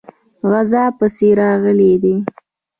غزا پسې راغلی دی.